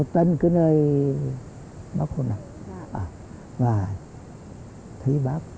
ta không thể